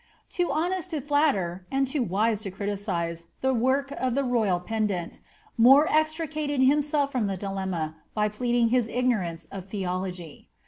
Too honest to flatter, and too wise to criticise, the work of the royal pedant, More extricated himself from the dilemma by pleading his ignorance of theology.